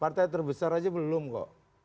partai terbesar aja belum kok